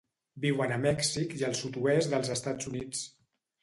Viuen a Mèxic i al sud-oest dels Estats Units.